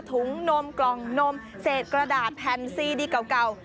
นมกล่องนมเศษกระดาษแผ่นซีดีเก่า